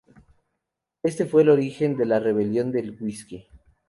Este fue el origen de la Rebelión del Whiskey.